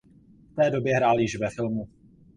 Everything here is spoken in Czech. V té době hrál již ve filmu.